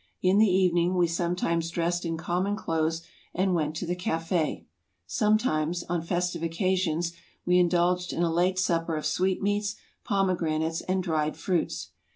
In the evening we sometimes dressed in common clothes and went to the cafe; sometimes, on festive occasions, we indulged in a late supper of sweetmeats, pomegranates, and dried fruits.